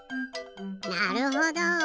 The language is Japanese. なるほど。